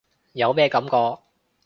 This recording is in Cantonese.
有咩感覺？